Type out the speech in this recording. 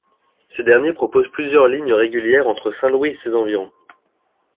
Ce dernier propose plusieurs lignes régulières entre Saint-Louis et ses environs.